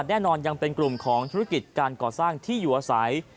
แน่นอนยังเป็นกลุ่มของธุรกิจการก่อสร้างที่อยู่อาศัย